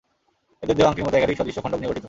এদের দেহ আংটির মতো একাধিক সদৃশ খন্ডক নিয়ে গঠিত।